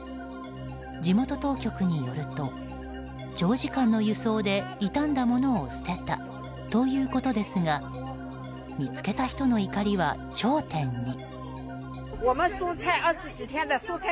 地元当局によると長時間の輸送で傷んだものを捨てたということですが見つけた人の怒りは頂点に。